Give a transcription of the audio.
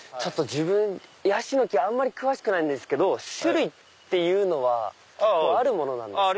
自分ヤシの木あんまり詳しくないんですけど種類はあるものなんですか？